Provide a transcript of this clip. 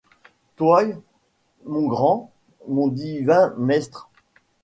Toy, mon grant, mon divin maistre !